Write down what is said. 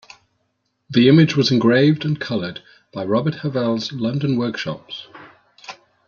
The image was engraved and colored by Robert Havell's London workshops.